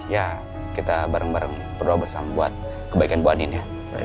ya kita bareng bareng berdoa bersama buat kebaikan bu aninya